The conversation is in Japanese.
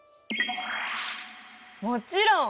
もちろん！